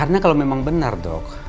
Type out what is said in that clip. emang benar dok